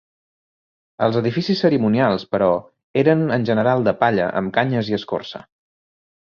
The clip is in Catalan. Els edificis cerimonials, però, eren en general de palla amb canyes i escorça.